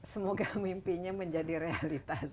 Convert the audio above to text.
semoga mimpinya menjadi realitas